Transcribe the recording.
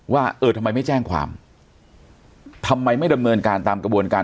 ว่าเออทำไมไม่แจ้งความทำไมไม่ดำเนินการตามกระบวนการ